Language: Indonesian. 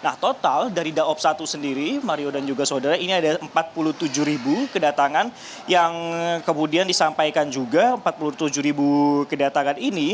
nah total dari daob satu sendiri mario dan juga saudara ini ada empat puluh tujuh ribu kedatangan yang kemudian disampaikan juga empat puluh tujuh ribu kedatangan ini